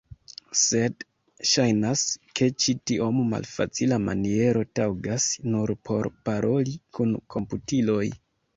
Sed, ŝajnas, ke ĉi tiom malfacila maniero taŭgas nur por paroli kun komputiloj.